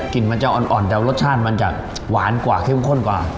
มันจะอ่อนแต่รสชาติมันจะหวานกว่าเข้มข้นกว่า